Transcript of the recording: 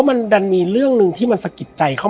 และวันนี้แขกรับเชิญที่จะมาเชิญที่เรา